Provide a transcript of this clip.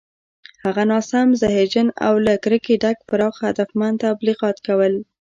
هغه ناسم، زهرجن او له کرکې ډک پراخ هدفمند تبلیغات کول